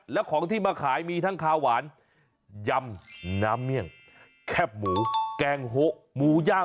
แล้วของที่มาขายมีทั้งขาวหวานยำน้ำเมี่ยงแคบหมูแกงโฮหมูย่าง